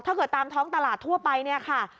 ตามท้องตลาดทั่วไปเนี่ยค่ะ